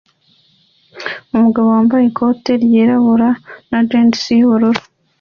Umugabo wambaye ikoti ryirabura na jans yubururu